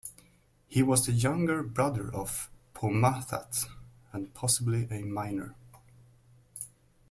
He was the younger brother of Phommathat, and possibly a minor.